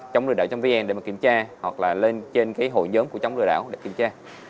chống lừa đảo trong vn để mà kiểm tra hoặc là lên trên cái hội nhóm của chống lừa đảo để kiểm tra